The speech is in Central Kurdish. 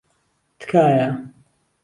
تکایە.